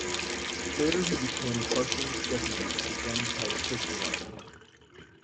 Later he became Parsons' deputy for the gun-type fission weapon.